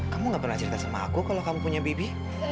kamu gak pernah cerita sama aku kalau kamu punya baby